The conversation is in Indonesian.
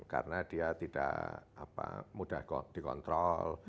karena dia tidak mudah dikontrol